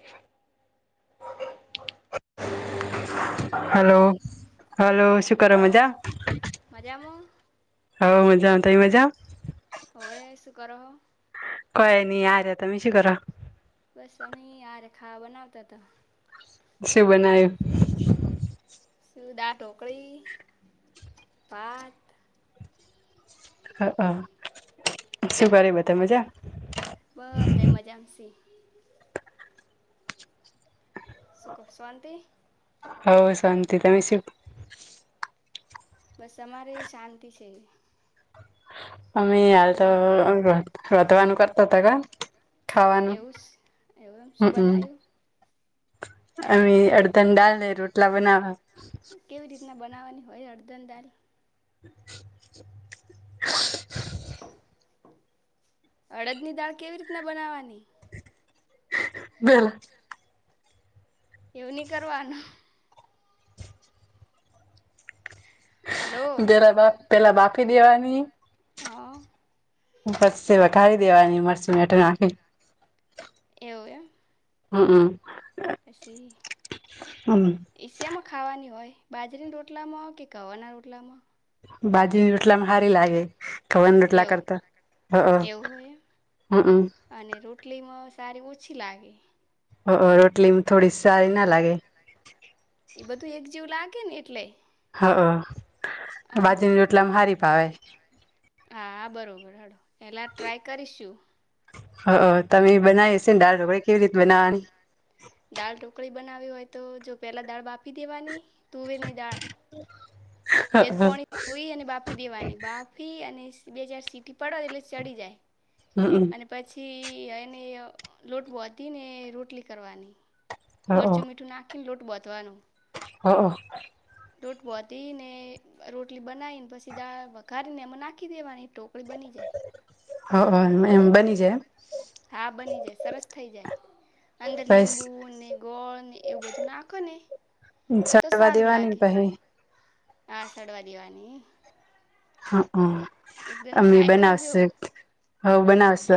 [unintelligible] Hello hello શું કરો મજા. મજા મો. હ મજામાં તઇ મજામાં. હો એ શું કરો હો. કઈ નહી યાર તમે શુ કરો હો. બસ અમી યાર ખાવા બનાવતા તો. શું બનાયું. સીદા ઢોકરી ભાત. હ હ શું કરે બધા મજા. બધ્ધા મજામાં શે. સુ કો શવાંતિ. હઉ શાંતિ તમે શ. બસ અમારેય શાંતિ છે. અમે હાલ તો બોલો રોતવાનું કરતા હતા કા. ખાવાનું એવું જ એવું એમ શું બનાયું. અ અડધની ડાલ રોટલા બનાવ હ. કેવી રીતના બનાવવાની હોય અડધની દાલ. [unintelligible] અડદ ની દાળ કેવી રીતના બનાવવાની. [unintelligible] એવું ની કરવાનું. હલો પેલા બા પેલા બાફી દેવાની. હા. હ પછી છે વઘારી દેવાની મરચું મેઠૂં નાખી. એવું એમ. હમ હમ. પછી. એ શેમાં ખાવાની હોય બાજરીના રોટલામાં કે ઘવાના રોટલામાં. બાજરી રોટલામાં હારી લાગે ખવન રટલા એવું કરતા હ એવું હોય એમ હમમ અને રોટલીમાં સારી ઓછી લાગે અ અ રોટલી થોડી સારી ના લાગે એ બધું એક જવું લાગે ને એટલે હા હ. હ. બાજરીની રોટલામાં હારી ભાવે હા બરોબર હડો એેલા ટ્રાય કરીશું. હ તમે બનાવી હશે ને દળ ઢોકળે કેવી રીતે બનાવાની દાળ ટોકળી બનાવી હોય તો જો પહેલાં દાળ બાફી દેવાની તુવેરની દાળ બેજ હમ પોણી ધોઈ અને બાફી દેવાની બાફી અને બે ચાર સીટી પડે એટલે ચડી જાય. હમમ. અને પછી એને લોટ બાધી ને રોટલી કરવાની. મરચું મીઠું નાખીને લોટ બાોધવાનો. હા. ટુટ બહોતીને. એ રોટલી બનાવીને પછી દાળ વઘારીને એમાં નાખી દેવાની ધોકળી બની જાય. હ હ એમ બની જાય એમ હા બની જાય સરસ થઇ જાય. અંદર બસ લીંબુ ને ગોળ ને એવું બધું નાખોને તો સડવા સારું દેવાની લાગે પહી આ સડવા દેવાની હા હ એકદમ અમે ટ્રાય કરજો બનાવશે હ બનાવશે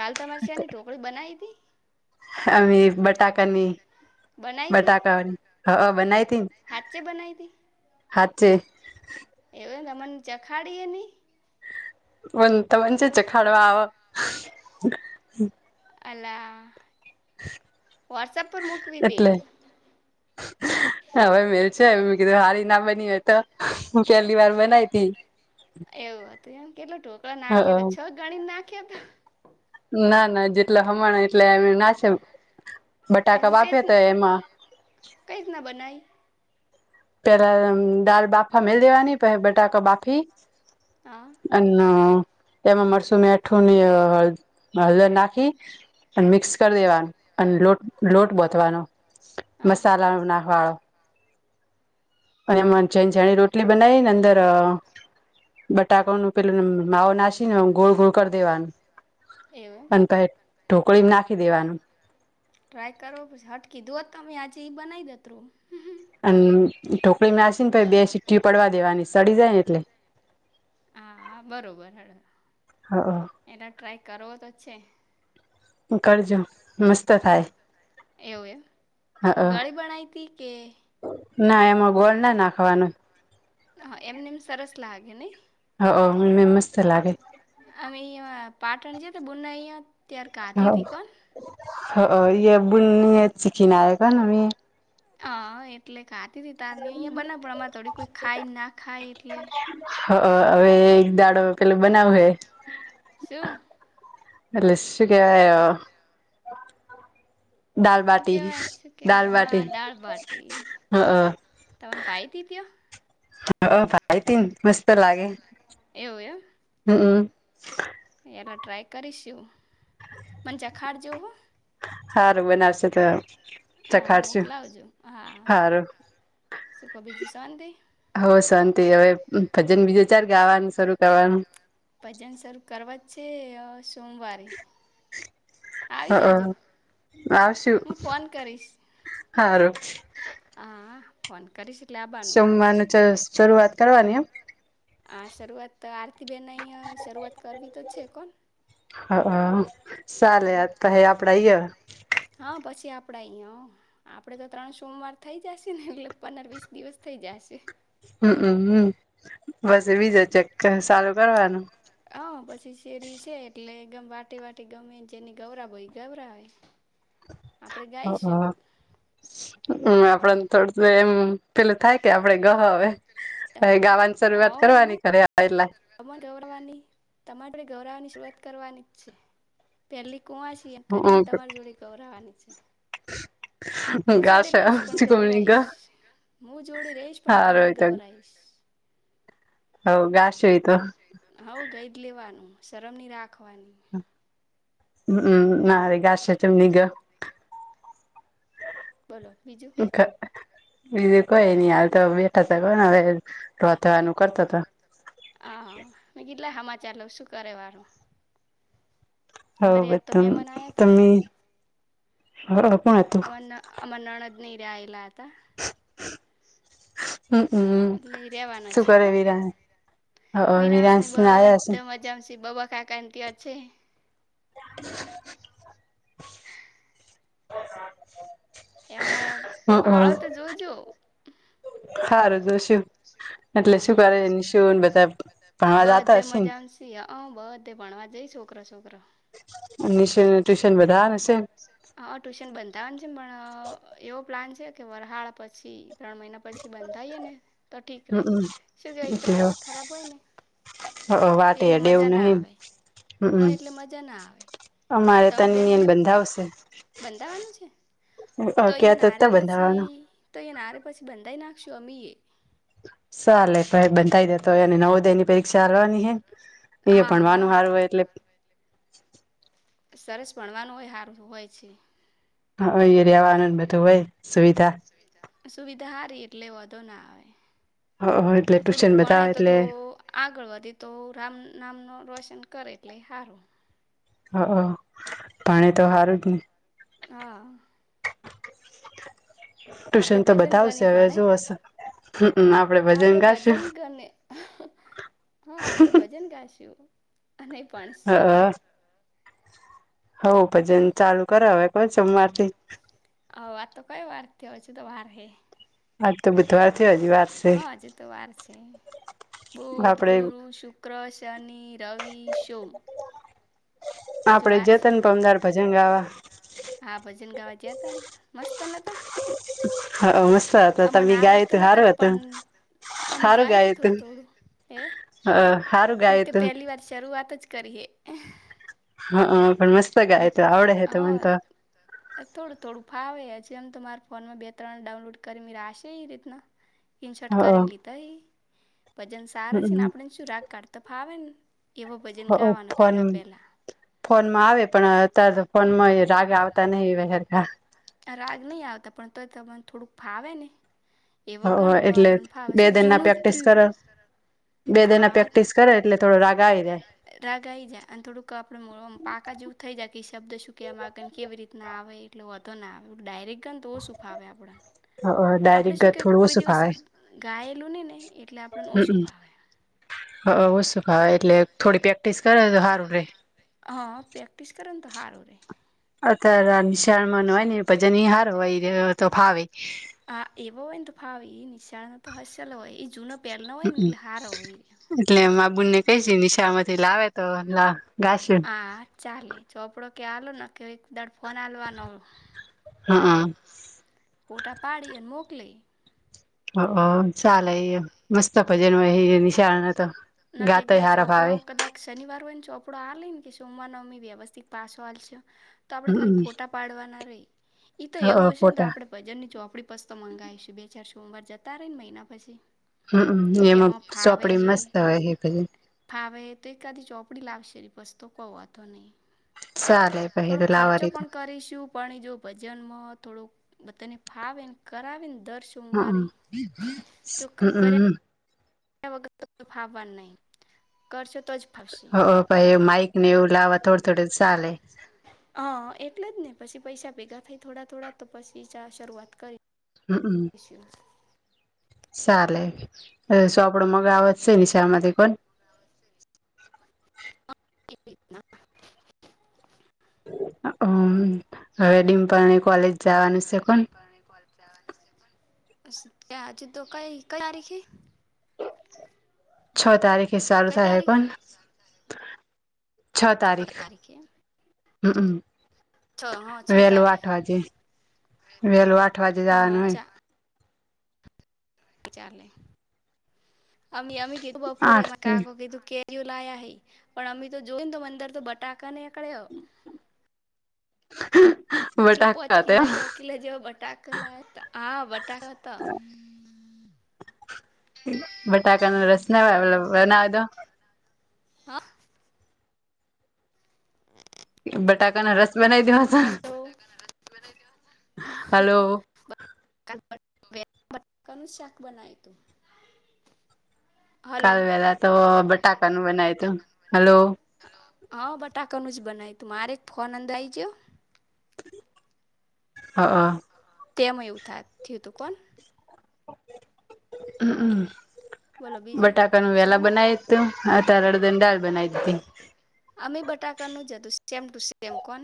કાલ તમારી શ્યાની ઢોકળી બનાવી હતી. અમ બટાકાની બનાવી હતી બટાકાની હ બનાયતી. હાચે છે બનાવીતી. હાચે. એને મમને ચખાડીએ નહી. હ તો મજે છે ખાડવા. અલા વાટસઅપર મુકવી. હ. હવે મેલ છે મે કીધું હારી ના બની હોય તો પેલી વાર બનાવી હતી. એવું હતું એમ કેટલો ઢોકળો હ નાખ્યો હતો છ ગણીને નાખ્યો તો ના ના જેટલા હમણા એટલે એમના છે. બટાકા એવુ બાફે કેટલુ તો એમાં કઈકન બનાઇ. પેલા દાલ બાફા મે દેવાની પ બટાકો બાફી હા અને તેમાં મરચું મે અઠું ની હ હળદર નાખ કે અને મિક્સ કરી દેવાનું અને લોટ લોટ બોતવાનો હા મસાલા નાખવાળો અને એમાં છેન જાણી રોટલી બનાવી ને અંદર બટાકાનું પેલું માવ નાસીને ગોળ ગોળ કરી દેવાનું એવું અને પ ઢોકળી નાખી દેવાનું. ટ્રાય કરો પછી હટકી દો તમે આજે બનાવી દેત હ અને ઢોકળી નાસી ને પ બે સીઠી પડવા દેવાની સડી જાય ને એટલે હા બરોબર હડવા. હા હ એલા ટ્રાય કરવો તો છે. કરજો મસ્ત થાય. એવું એમ ગળી હ બનાઈ હતી કે. ના એમાં ગોળ ના નાખવાનું. હા એમને એમ સરસ લાગે નહી. હ મ મસ્ત લાગે અમે અહીં પાટણ છે બુના અયા ત્યાર કાધી હતી હ કોણ હ બુની ચિકને આ ક નમી હ એટલે કાતી ત તારની અહિયાયા બનામાં થોડી કોઈ ખાય ના ખાય એટલે હ હવે એક દાડો પેલો બનાવું હે શું એસ શ કે શું દાલબાટી કેવાય શું કેવાય દાલબાટી હા દાળભટી હ તને ભાઈ તીધયો હ ભાઈતી મસ્ત લાગે એવું હમમ એલા ટ્રાય કરીશું મચખાડ જોવું સારું બનાવશે તો હા ચખાડશું મોકલાવજો હા સારું સુ કબીજી શંત હો શાંતિ હવે ભજન બીજું ચાર ગાવાનું શરૂ કરવાનું ભજન શરૂ કરવા જ છે સોમવારે હ આવી જાજુ આવશું હું ફોન કરીશ સારું હા ફોન કરીશ એટલે આવવાનું સોમવાર શરૂઆત કરવાની એમ આ શરૂઆત તો આરતીબેન અહીંયા શરૂઆત કરવી તો છે કોણ હ હમ ચાલે કહે આપડા હા પછી આપડા અહીયા આપડે તો ત્રણ સોમવાર થઈ જશે ને એટલે પંદર વીસ દિવસ થઇ જશે હમમ હમ બસ બીજા ચક સારું કરવાનું હ પછી શેરી છે એટલે ગમ વાટી વાટી ગમેને જેની ગૌરા ભો એ ગભરાય હ હ આપડે થોડું એમ પેલું થાય કે આપડે ગ હવે ગાવાની શરૂઆત હવ કરવાની કરે એટલા તમારે ગૌરવાની તમારે ગૌરવાની શરૂઆત કરવાની જ છે પેલી કુંવા છીએ કરીને તમારી જોડે ગૌરાવાની છે હું જોડી ગાશે રહીશ પણ ચીકમની ગૌરાઈશ ગ હું જોડી રહીશ પણ હાર હોય તવન ગૌરાઈશ [inaudible] હવ ગાશ હોયતું હઉ ગઈડ લેવાનું શરમની રાખવાની હમ ના મારે ગશે જમને ગ બોલો બીજું બીજું કોઈ નહી હાલ તો બેઠા થ કો ને હવે રતન હા કેટલા સમાચાર લોઉ શું કરે વાળું હ અમારી યાદ તો બધું મેમન આવયા ત તમે હ પણ હતું અ અમ નણ જ નની ર આવેલા હતા હમ હમ ટ લઈ રેવાનું શું છે કરે કોણ વિરાન વિરાશ વિરાન ને આવ્યા છે બધ મજમસી બબખ આ ક ત્યાં છે [inaudible] હ એમણા બાળો તો જોજો હા રજ નિશુન બધા ભણવા જતા બધે હશે મજા સી હ અં બધે ભણવા જઈ છોકરો છોકરો નિશ ટ્યુશન બધા હશે હા ટ્યુશન બંધતાનું છે પણ એવો પ્લાન છે કે વરહાળ પછી ત્રણ મહિના પછી બંધ ાય ને તો ઠીક ર હમ શું કેવાય તો એટલે વાટ ખરાબ હોય ને વાટે એટલે ડેવું મજા ના નહી આવે હા એટલે હમ મજા ના આવે અમારે તમાર તન બેનને બંધાવશે બંધાવાનું છે તો ક્યાં અહીંયા ત નારે પછી બંધાવવાનો તો અહીંયા નારે પછી બંધાઈ નાખશું અમી એ સાલેે ભાઈ બંધતાાય દેતો એ નવ દ પરીક્ષા હાલવાની હે એ હા ભણવાનું હા સારું હોય એટલે સરસ ભણવાનું હાર હોય છે હા એ્યાવા સુવિધા સારી એટલે વધો ના આવે હ એટલે થોડુંક ટ્યુશન પણ એ બતાવે તો એટલે તો આગળ વધી તો રામ નામનું રોશન કરે એટલે સારું હ પાણી તો હારું જ ને હા આપણે ટુશન તો ભજન બતાવશે ગની હવે ભણે જો હશે આપડે આપણે વજન ગાશે ભજન હા આપડ ભજન ગાશું અને હ ભણશે હો પછન ચાલુ કરાવવ કો સોમવારથી હ આ તો કઈ વાર થ હછુ તો વાર હે આ તો બીધવા હા આજે તો વાર છે બુધ આપડે ગુરુ શુક ક્રશની રવિ શો આપડે જતન પમદાર ભજંગ ગાવા હા ભજન ગાવા જયા હતા મસ્તને હતા હા મસ્ત હતોી ગાય તો આવડતું નતા હારવત પણ અમે સારું ગાય તો ગાયત થોડું થોડું હે હ સારું મે તો ગાયત પહેલી વાર શરૂઆત જ કરીએ હા પણ મસ્ત મેં ગાય તો આવડ હ તો મન હા તો થોડું થોડું ફાવે હજ એમ તો મારા ફોનમાં બે ત્રણ ડાઉનલોડ કરીશે એ રીતના કિન શર્ટ કરીને લીધય વજન સારા છે ને આપણેને શું રાગ કાઢ તો ફાવેને એવો ભજન હ ગાવાનું પહેલાં પહેલાં ફોન માં આવે પણ અત્યારે તો ફોન માં રાગ આવતા નહિ વ રાગ નહીં આવતા પણ તો તને થોડુંક ફાવે ને એ વગર તો એટલે આપણે ફાવે બે શ દિન ના જૂનું પ્રેક્ટિસ ત્રીય કરે બે દિન હા ના પ્રેક્ટિસ હાેક્ટ એટલે કરે થોડો રાગ આવી રાગ આવી જાય અને થોડુંક આપડ પાકા જેવું થઈ જાય કે શબ્દ શું ક એમાં આવેને કેવી રીતના આવે એટલે વધો ના આવે એ ડાયરેક્ટ ચન તો સૂફાવે આપણ જાય આપણે ડાયરેક્ટ શું કે થોડું કોઈ ઓછું દિવસ ફાવે ગાયેલું હી ને એટલે આપણને ઓછું ફાવે હ ઓ શું ભાવ એટલે થોડી પ્રેક્ટિસ કરે તો સારું રે હા પ્રેક્ટિસ કરંત હારરે અત્યારે નિશાળમાં હોય ને પજન હાર હોય તો ફાવે હા એવો હોય ને તો ફાવી એ નિશાળનો તો હસલો હોય એ જૂન હમ એટલે માબુને કઈ છે નિશામાંથી લાવે તો લ ગાસ હા ચાલે ચોપડો કે આલોો ને કે એક દર ફોન આલવા ન હા હ ફટા પાડી અને મોકલી ચાાલ એ મસ્ત ભજન હોય નિશાળ તો ગઆવે કદાક શનિવાર હોય ને ચોપડો આ લે ને કે સોમવાની વ્યવસ્થિત પાછો આલશે. તો આપણે ખાલી હમ ફોટા પાડવાના રહી ઈતો એવું હશે ને ફોટા તો વજન ની ચોપડી પસ તો મંગાવીશું બે ચાર સોમવાર જતા રહી ને મહિના પછી હમમ કે એમ હ ફાવે હે તો એકાધ ચોપડી લાવશે પસ તો ક વોધો નહી. ચાલે પહી થોડો તો ખર્ચો લાવવાની તો પણ કરીશું. પણ જો ભજન થોડુંક બધાને ફાવે ને કરાવે ને દર્શ હમમ હમમ વ ફાવવા નહી કરશો તો જ ફાવશે હ પાઈ માઈક નેવું લવા થોડે થોડે ચાલે. હ એટલે જ ને પછી પૈસા ભેગા થાય થોડા થોડા તો પછી શરૂઆત કરી. હમમ [unintelligible] શાલે શું આપડો મગાવજ છે નિશાળમાંથી કો [inaudible] [inaudible] હમ હવે ડિમપલની કોલેજ જવાનું હજુ છે તો કોણ ડીમપલની કોલેજ જવાનુ કઈ કઈ તારીખે છ તારીખે સાલુ કઈ થાય હે તારીખ કોણ છ તારીખ તારીખે હમ છ હા છ વેલું તારીખ આઠ વાજે વેલું આઠ વાજે હા જવાનું હોય ચા ચાલે અમ અમી કીધું બપોરે આઠ અમા કાકો કીધું કેય લાયા હે પણ અમે તો જોઈ ને ત અંદર તો બ ટાકા નેકર્યા એટલો પોચ બટાકા હતા કિલ્લા છોક કીલે જેવ બટાખ લ આ બટાકા ત બટાકા ન રસ ના બનાવે દો. [unintelligible] [inaudible] બટાકા ના રસ બનાવી દેવા તા બટાકા ના રસ બનાવી દેવાતા. હલો કાલ [unintelligible] બટકાનું શાક બનાય હતું. હલો કાલ વેલા તો બટાકાનું બનાયુતુ હલો હા બટાકાનું જ બનાયુ તું મારે એક ફોન અંદર આઈજ્યો. હા હ તેમમાં એવું થ થયું હતું કોન હમ હમ બોલો બીજું બટાકા નું વેલા સોંત બનાાયતું આતારે અડદની દાળ બનઈતી. અમે બટાકાનું જાદુ સેમ ટુ સેમ કોન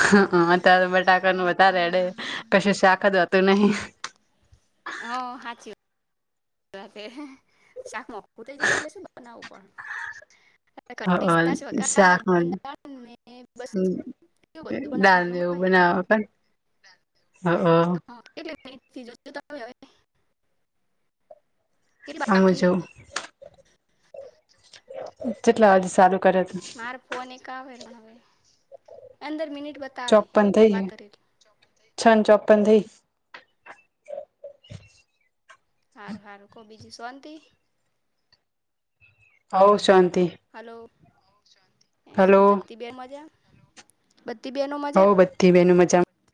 હ હા ત્યારે બટાકાનું વધારે એડે કશી શાક ત હોતું નહિ. હ સાાચી શાક મું [unintelligible] બનાવું પણ શાક [unintelligible] એ બધું દાળને બનાવાનું એવું હોય બનાવ પણ હ [unintelligible] [unintelligible] કેટલી આ મુ બાકી જઉ કેટલા વાગે સાલુ કરે તું? મારે ફોન એક આવે હવે પંદર મિનિટ બતાવે ચોપન થઈ વાત હ કરેલી છ ન ચોપન થઈ. હાર હારું કો બીજુ શોંતી હવ શોંતિ હલો હવ શોંતિ બત્તી બે મજા બત્તી બેનો હવ મજા બધી બેનું મજામાં